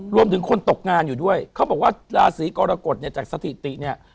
รวมถึงคนตกงานอยู่ด้วยเขาบอกว่าราศีกรกฎเนี่ยจากสถิติเนี่ย